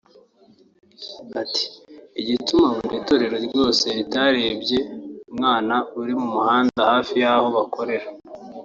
Ati “Igituma buri torero ryose ritarebye umwana uri mu muhanda hafi y’aho bakorera